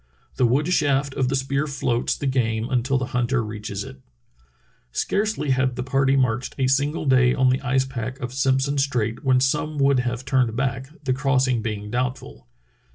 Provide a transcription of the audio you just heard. The wooden shaft of the spear floats the game until the hunter reaches it. 3i8 True Tales of Arctic Heroism Scarcely had the party marched a single day on the ice pack of Simpson Strait when some would have turned back, the crossing being doubtful.